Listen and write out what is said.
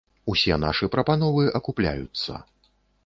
Усе нашы прапановы акупляюцца.